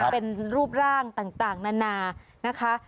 เป็นรูปร่างต่างนานานะคะ